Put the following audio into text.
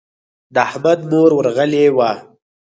د احمد مور ورغلې وه.